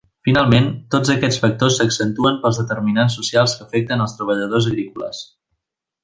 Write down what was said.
Finalment, tots aquests factors s'accentuen pels determinants socials que afecten els treballadors agrícoles.